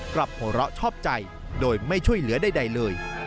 กลับหัวเราะชอบใจโดยไม่ช่วยเหลือใดเลย